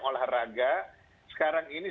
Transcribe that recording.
olahraga sekarang ini